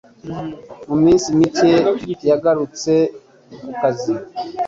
Mu minsi mike yagarutse ku kazi